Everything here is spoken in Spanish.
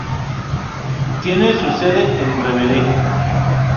Tiene su sede en Revere.